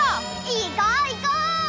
いこう！いこう！